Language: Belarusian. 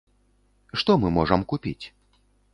Што мы можам купіць?